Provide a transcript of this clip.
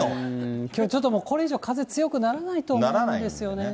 きょうはもう、ちょうどこれ以上、風強くならないと思うんでならないですよね。